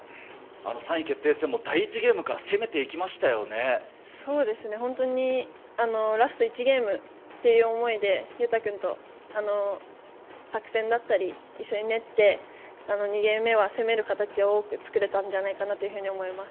あの３位決定戦も第１ゲームそうですね、本当にラスト１ゲームっていう思いで、勇大君と作戦だったり、一緒に練って、２ゲーム目は攻める形を多く作れたんじゃないかなと思います。